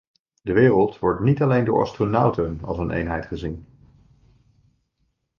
De wereld wordt niet alleen door astronauten als een eenheid gezien.